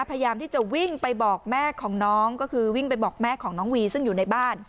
พยายามที่จะวิ่งไปบอกแม่ของน้องก็คือวิ่งไปบอกแม่ของน้องวีซึ่งอยู่ในบ้าน